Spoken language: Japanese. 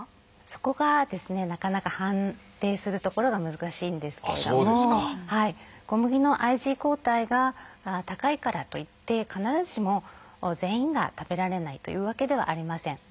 そこがですねなかなか判定するところが難しいんですけれども小麦のＩｇＥ抗体が高いからといって必ずしも全員が食べられないというわけではありません。